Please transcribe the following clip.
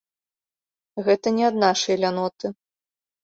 Гэта не ад нашай ляноты.